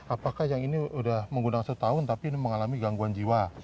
apakah yang ini sudah menggunakan setahun tapi ini mengalami gangguan jiwa